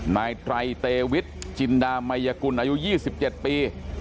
นายไตรเตวิทจินดามัยกุลอายุ๒๗ปี